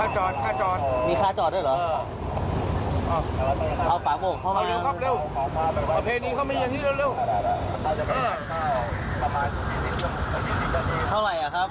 ใช่หรอ